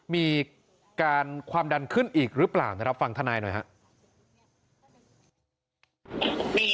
มีการความดันขึ้นอีกหรือเปล่านะครับฟังทนายหน่อยครับ